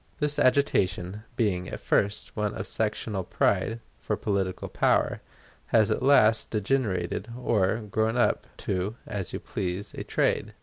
This agitation being at first one of sectional pride for political power, has at last degenerated or grown up to (as you please) a trade.